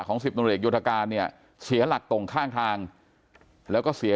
สิบตำรวจเอกโยธการเนี่ยเสียหลักตกข้างทางแล้วก็เสีย